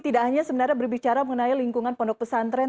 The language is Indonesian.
tidak hanya sebenarnya berbicara mengenai lingkungan pondok pesantren